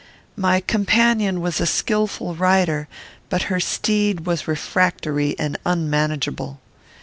My companion was a skilful rider, but her steed was refractory and unmanageable.